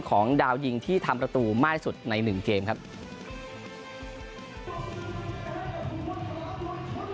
ของดาวยิงที่ทำถัดหน้าสู้มากที่สุดในโรงงานนี้